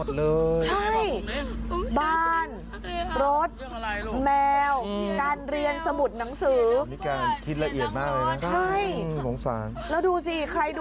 เสียใจอยู่แล้วกับบ้านที่โดนไฟไหม้ใช่ไหม